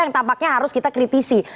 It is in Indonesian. yang tampaknya harus kita kritisi